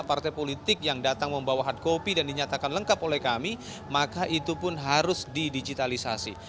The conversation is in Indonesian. partai politik yang datang membawa hard copy dan dinyatakan lengkap oleh kami maka itu pun harus didigitalisasi